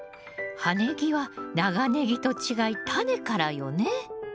葉ネギは長ネギと違いタネからよね。